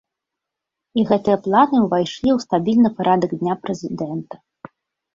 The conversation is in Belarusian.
І гэтыя планы ўвайшлі ў стабільны парадак дня прэзідэнта.